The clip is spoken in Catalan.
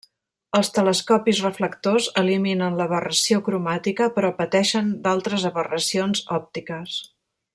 Els telescopis reflectors eliminen l'aberració cromàtica però pateixen d'altres aberracions òptiques.